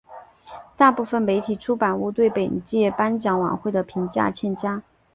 大部分媒体出版物对本届颁奖晚会的评价欠佳。